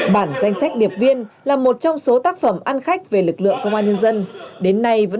bản danh sách điệp viên là một trong số tác phẩm ăn khách về lực lượng công an nhân dân đến nay với